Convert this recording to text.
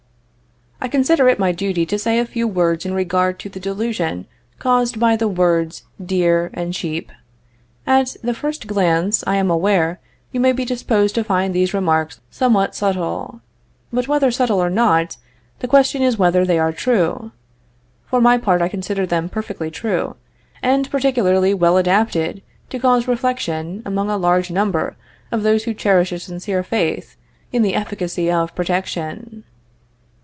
I consider it my duty to say a few words in regard to the delusion caused by the words dear and cheap. At the first glance, I am aware, you may be disposed to find these remarks somewhat subtile, but whether subtile or not, the question is whether they are true. For my part I consider them perfectly true, and particularly well adapted to cause reflection among a large number of those who cherish a sincere faith in the efficacy of protection.